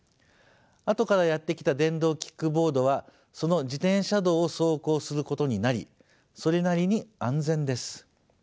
あとからやって来た電動キックボードはその自転車道を走行することになりそれなりに安全です。